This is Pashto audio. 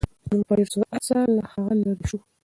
موټر په ډېر سرعت سره له هغه لرې شو.